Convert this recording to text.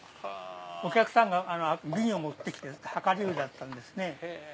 お客さんが瓶を持って来て。量り売りだったんですね。